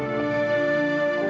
aku sudah lebih